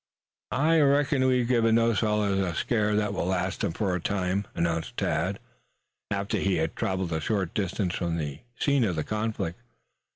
"I reckon we've given those fellows a scare that will last them for a time," announced Tad, after they had traveled a short distance from the scene of the conflict.